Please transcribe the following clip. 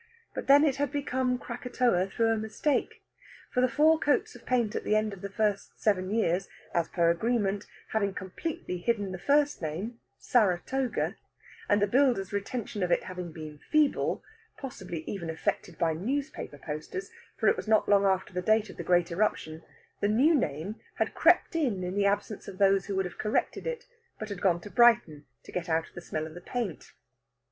But then it had become Krakatoa through a mistake; for the four coats of paint at the end of the first seven years, as per agreement, having completely hidden the first name, Saratoga, and the builders' retention of it having been feeble possibly even affected by newspaper posters, for it was not long after the date of the great eruption the new name had crept in in the absence of those who could have corrected it, but had gone to Brighton to get out of the smell of the paint.